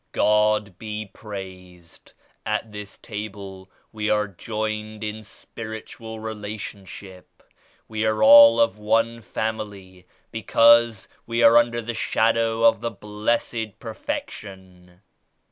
'* "God be praised! At this table we are joined in Spiritual Relationship. We are all of one family because we are under the Shadow of the Blessed Perfection.